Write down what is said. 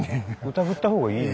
疑った方がいいの？